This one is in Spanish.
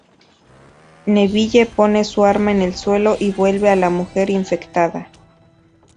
Neville pone su arma en el suelo y vuelve a la mujer infectada.